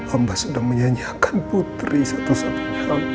abba sudah menyanyiakan putri satu satunya abba